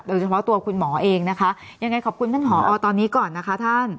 โดยเฉพาะตัวคุณหมอเองนะคะยังไงขอบคุณท่านผอตอนนี้ก่อนนะคะท่าน